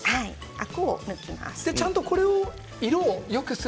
アクを抜きます。